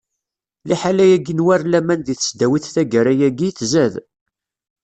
Liḥala-agi n war laman di tesdawit taggara-agi, tzad.